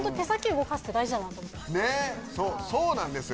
そうなんですよ！